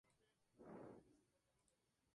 Algunos se encuentran en mal estado de conservación.